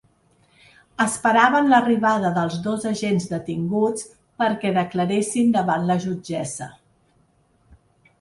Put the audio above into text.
Esperaven l’arribada dels dos agents detinguts perquè declaressin davant la jutgessa.